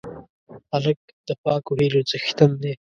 هلک د پاکو هیلو څښتن دی.